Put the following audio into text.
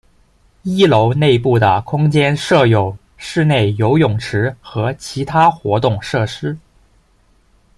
一楼内部的空间设有室内游泳池和其他活动设施。